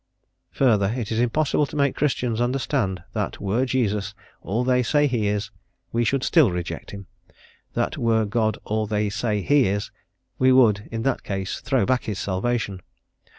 Further, is it impossible to make Christians understand that were Jesus all they say he is, we should still reject him; that were God all they say He is, we would, in that case, throw back His salvation.